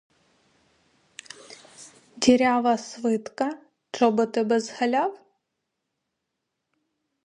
Дірява свитка, чоботи без халяв?